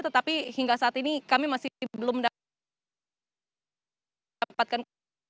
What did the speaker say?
tetapi hingga saat ini kami masih belum dapatkan